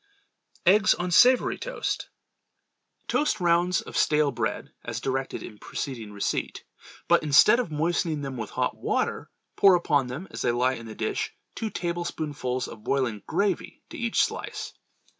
Eggs on Savory Toast. Toast rounds of stale bread as directed in preceding receipt, but instead of moistening them with hot water, pour upon them, as they lie in the dish, two tablespoonfuls of boiling gravy to each slice.